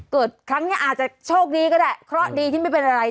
ครั้งนี้อาจจะโชคดีก็ได้เคราะห์ดีที่ไม่เป็นอะไร